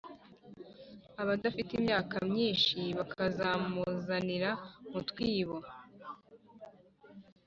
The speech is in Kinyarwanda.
abadafite imyaka myinshi bakamuzanira mu twibo;